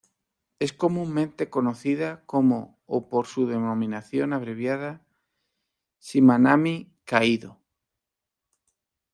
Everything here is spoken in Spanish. Es comúnmente conocida como o por su denominación abreviada, "Shimanami-kaido".